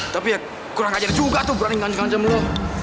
tapi ya kurang ajar juga tuh berani ngajar ngajar lo